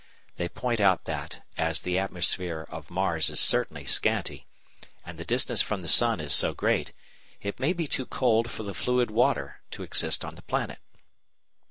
They point out that, as the atmosphere of Mars is certainly scanty, and the distance from the sun is so great, it may be too cold for the fluid water to exist on the planet.